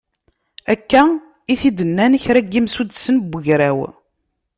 Akka i t-id-nnan kra n yimsuddsen n ugraw.